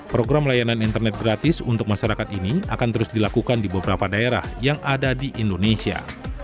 program layanan internet gratis untuk masyarakat ini akan terus dilakukan di beberapa daerah yang ada di indonesia